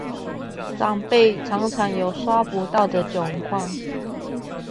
長輩常常有刷不到的窘況